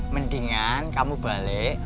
mendingan kamu balik